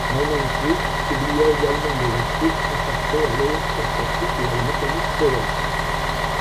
Almansi publia également des articles consacrés à l'électrostatique et à la mécanique céleste.